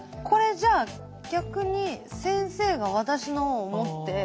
これじゃあ逆に先生が私のを持って。